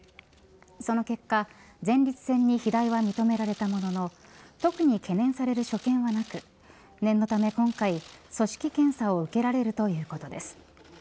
その結果、前立腺に肥大は認められたものの特に懸念される所見はなく念のため今回組織検査を受けられるということです。